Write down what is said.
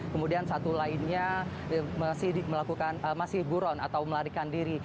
kemudian satu lainnya masih melakukan masih buron atau melarikan diri